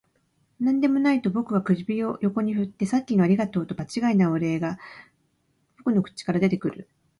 「何でもない」と僕は首を横に振って、「さっきのありがとう」と場違いなお礼が僕の口から出てくる